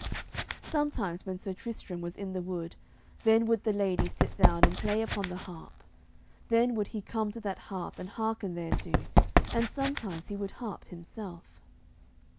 Sometimes when Sir Tristram was in the wood, then would the lady sit down and play upon the harp; then would he come to that harp and hearken thereto, and sometimes he would harp himself.